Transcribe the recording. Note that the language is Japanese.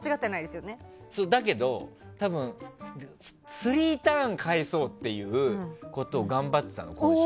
だけど、スリーターン返そうということを頑張ってたの、今週。